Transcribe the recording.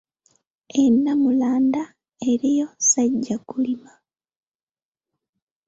E Nnamulanda eriyo Ssajjakulima